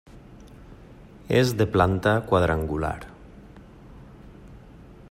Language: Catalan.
És de planta quadrangular.